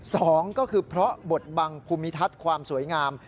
สองก็คือเพราะบทบังภูมิทัศน์ความสวยงาม